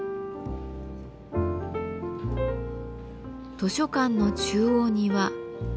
図書館の中央には。